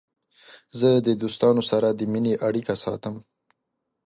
زه د دوستانو سره د مینې اړیکې ساتم.